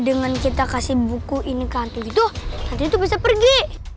dengan kita kasih buku ini ke hantu gitu hantu itu bisa pergi